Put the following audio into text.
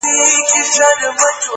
• یو د بل په کور کي تل به مېلمانه وه,